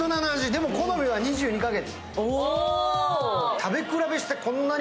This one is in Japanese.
でも好みは２２か月。